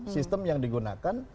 sistem yang digunakan